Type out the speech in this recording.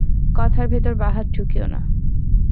কথার ভেতর বাহাত ঢুকিয়ো না।